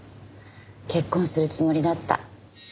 結婚するつもりだった。